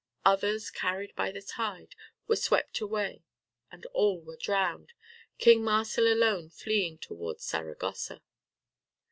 Others, carried by the tide, were swept away, and all were drowned, King Marsil alone fleeing towards Saragossa.